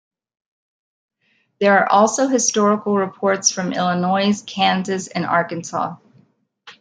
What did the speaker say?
There are also historical reports from Illinois, Kansas, and Arkansas.